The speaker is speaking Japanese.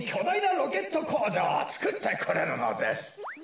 ロケットこうじょうをつくってくれるのです。